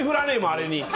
あれに。